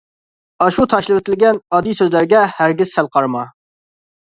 ئاشۇ تاشلىۋېتىلگەن، ئاددىي سۆزلەرگە ھەرگىز سەل قارىما.